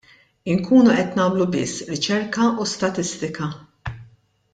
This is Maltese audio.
Inkunu qed nagħmlu biss riċerka u statistika.